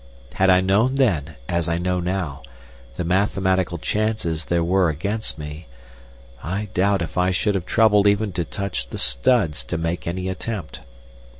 Had I known then, as I know now, the mathematical chances there were against me, I doubt if I should have troubled even to touch the studs to make any attempt.